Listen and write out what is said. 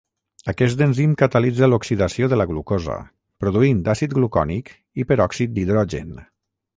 Aquest enzim catalitza l'oxidació de la glucosa, produint àcid glucònic i peròxid d'hidrogen.